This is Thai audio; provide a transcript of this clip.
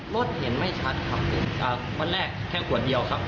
รถเห็นไม่ชัดครับวันแรกแค่ขวดเดียวครับ